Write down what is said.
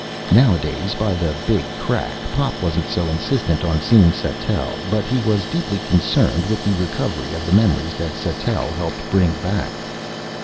Nowadays, by the Big Crack, Pop wasn't so insistent on seeing Sattell, but he was deeply concerned with the recovery of the memories that Sattell helped bring back.